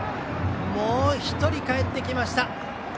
もう１人かえってきました。